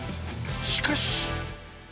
しかし。